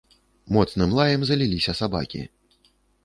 Моцным лаем заліліся сабакі.